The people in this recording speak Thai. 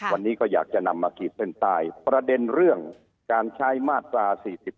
วันนี้ก็อยากจะนำมาขีดเส้นใต้ประเด็นเรื่องการใช้มาตรา๔๔